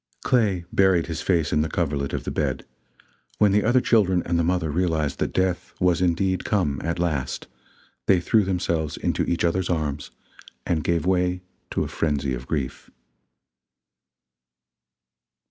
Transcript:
Clay buried his face in the coverlet of the bed; when the other children and the mother realized that death was indeed come at last, they threw themselves into each others' arms and gave way to a frenzy of grief.